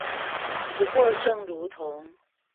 不過正如同